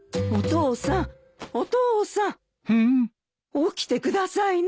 起きてくださいな。